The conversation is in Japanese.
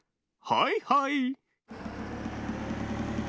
はいはい。